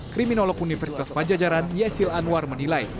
kriminolog universitas pajajaran yasil anwar menilai